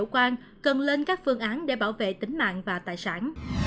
tổ quang cần lên các phương án để bảo vệ tính mạng và tài sản